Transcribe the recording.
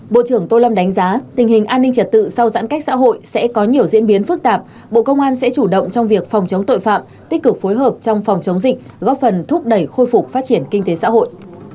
bộ trưởng tô lâm đánh giá tình hình an ninh trật tự sau giãn cách xã hội sẽ có nhiều diễn biến phức tạp bộ công an sẽ chủ động trong việc phòng chống tội phạm tích cực phối hợp trong phòng chống dịch góp phần thúc đẩy khôi phục phát triển kinh tế xã hội